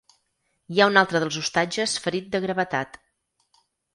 Hi ha un altre dels hostatges ferit de gravetat.